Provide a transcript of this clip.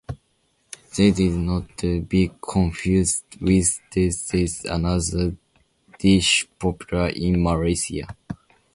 Sata is not to be confused with satay, another dish popular in Malaysia.